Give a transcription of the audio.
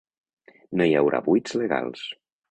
“No hi haurà buits legals”